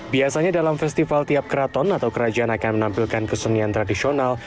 biasanya dalam festival tiap keraton atau kerajaan akan menampilkan kesenian tradisional